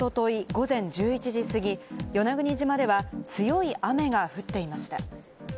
午前１１時過ぎ、与那国島では強い雨が降っていました。